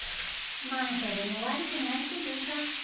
まあそれも悪くないけどさ